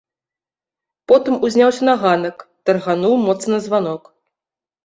Потым узняўся на ганак, таргануў моцна званок.